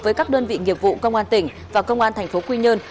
với các đơn vị nghiệp vụ công an tỉnh và công an tp quy nhơn